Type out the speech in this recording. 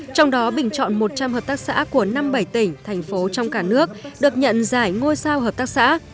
trong đó bình chọn một trăm linh hợp tác xã của năm mươi bảy tỉnh thành phố trong cả nước được nhận giải ngôi sao hợp tác xã